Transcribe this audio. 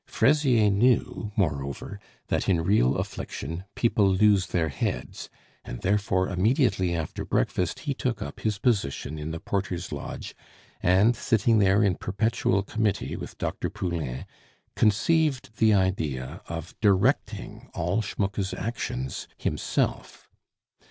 Fraisier knew, moreover, that in real affliction people lose their heads, and therefore immediately after breakfast he took up his position in the porter's lodge, and sitting there in perpetual committee with Dr. Poulain, conceived the idea of directing all Schmucke's actions himself.